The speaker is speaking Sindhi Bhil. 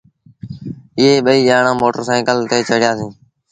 ائيٚݩ ٻئيٚ ڄآڻآن موٽر سآئيٚڪل تي چڙهيآ سيٚݩ۔